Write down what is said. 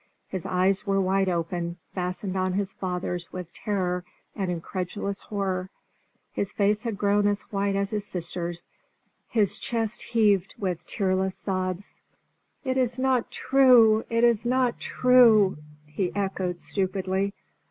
His eyes were wide open, fastened on his father's with terror and incredulous horror; his face had grown as white as his sister's; his chest heaved with tearless sobs. "It is not true! It is not true!" he echoed stupidly.